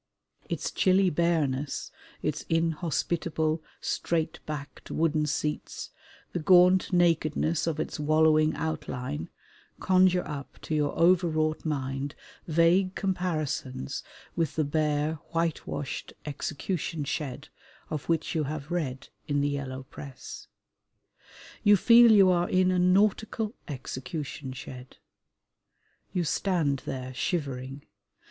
Its chilly bareness, its inhospitable, straight backed wooden seats, the gaunt nakedness of its wallowing outline, conjure up to your overwrought mind vague comparisons with the bare, whitewashed execution shed of which you have read in the Yellow Press. You feel you are in a Nautical Executionshed. You stand there shivering.